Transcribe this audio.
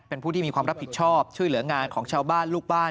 เป็นผู้ที่มีความรับผิดชอบช่วยเหลืองานของชาวบ้านลูกบ้าน